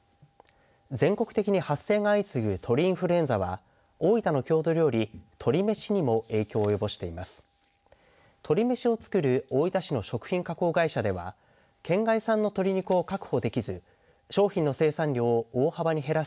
全国的に発生が相次ぐ鳥インフルエンザは大分の郷土料理、鶏めしにも影響を及ぼしています。